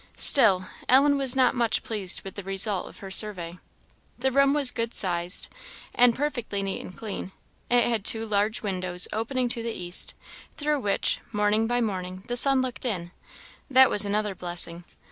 Still Ellen was not much pleased with the result of her survey. The room was good sized, and perfectly neat and clean; it had two large windows opening to the east, through which, morning by morning, the sun looked in that was another blessing.